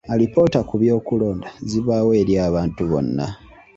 Alipoota ku by'okulonda zibaawo eri abantu bonna.